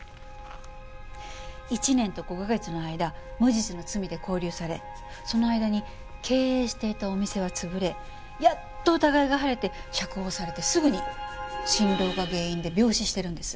１年と５か月の間無実の罪で拘留されその間に経営していたお店は潰れやっと疑いが晴れて釈放されてすぐに心労が原因で病死してるんです。